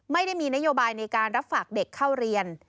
ไม่ได้มีนโยบายในการรับฝากเด็กเข้าเรียน